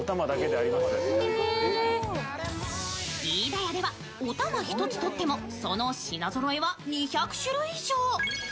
飯田屋ではおたま一つとってもその品ぞろえは２００種類以上。